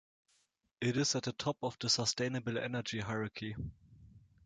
It is at the top of the sustainable energy hierarchy.